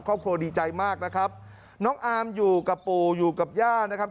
ครอบครัวดีใจมากนะครับน้องอามอยู่กับปู่อยู่กับย่านะครับ